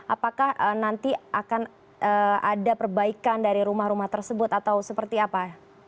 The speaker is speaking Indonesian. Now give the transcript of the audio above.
apakah nanti akan ada perbaikan dari rumah rumah tersebut atau seperti apa